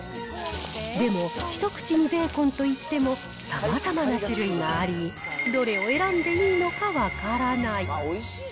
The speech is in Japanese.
でも、一口にベーコンといってもさまざまな種類があり、どれを選んでいいのか分からない。